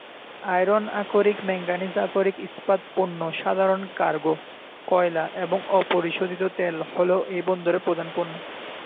Iron আকরিক, manganese আকরিক, ইস্পাত পণ্য, সাধারণ কার্গো, কয়লা এবং অপরিশোধিত তেল হ'ল এই বন্দরে প্রধান পণ্য।